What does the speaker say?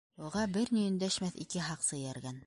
Уға бер ни өндәшмәҫ ике һаҡсы эйәргән.